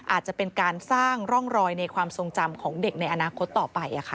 อาจจะเป็นการสร้างร่องรอยในความทรงจำของเด็กในอนาคตต่อไป